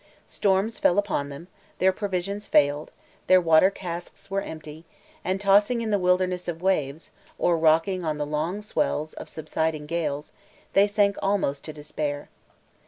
Storms fell upon them, their provisions failed, their water casks were empty, and, tossing in the wilderness of waves, or rocking on the long swells of subsiding gales, they sank almost to despair.